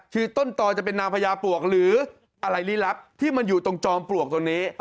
คือต้นตอจะเป็นนางพญาปลวกหรืออะไรลี้ลับที่มันอยู่ตรงจอมปลวกตรงนี้